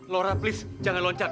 laura please jangan loncat